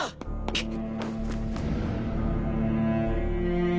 くっ！